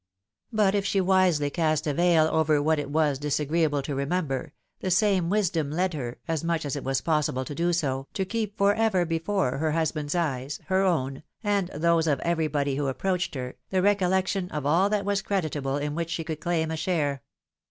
But if she wisely cast a veil over what it was disagreeable to remember, the same wisdom led her, as much as it was pos sible to do so, to keep for ever before her husband's eyes, her own, and those of everybody who approached her, the recoUec tion of all that was creditable in which she could claim a share.